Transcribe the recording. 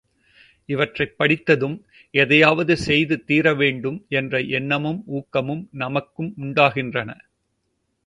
இவற்றைப் படித்ததும், எதையாவது செய்து தீர வேண்டும் என்ற எண்ணமும் ஊக்கமும் நமக்கும் உண்டாகின்றன.